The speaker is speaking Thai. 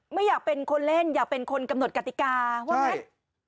ไม่อยากเป็นคนเล่นอยากเป็นคนกำหนดกติกาว่างั้น